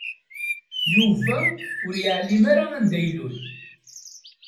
Yuba ur yeɛlim ara anda ilul.